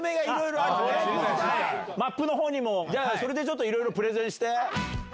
マップのほうにもそれでいろいろプレゼンして。